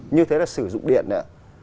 như thế là sử dụng điện đấy ạ